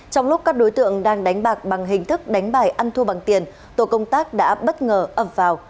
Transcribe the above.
trong lúc các đối tượng đang đánh bạc bằng hình thức đánh bài ăn thua bằng tiền tổ công tác đã bất ngờ ập vào